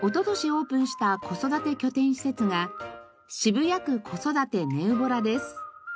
オープンした子育て拠点施設が渋谷区子育てネウボラです。